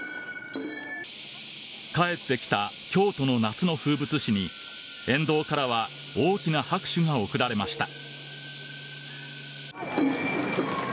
帰ってきた京都の夏の風物詩に沿道からは大きな拍手が送られました。